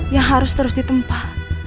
yang harus terus ditempah